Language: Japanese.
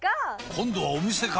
今度はお店か！